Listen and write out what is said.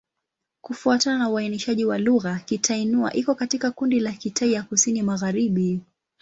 Kufuatana na uainishaji wa lugha, Kitai-Nüa iko katika kundi la Kitai ya Kusini-Magharibi.